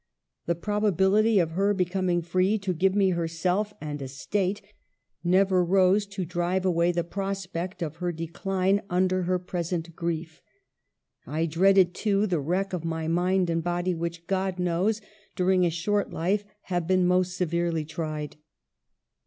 The probability of her becoming free to give me herself and estate never rose to drive away the prospect of her decline under her present grief. I dreaded, too, the wreck of my mind and body, which — God knows — during a short life have been most severely tried.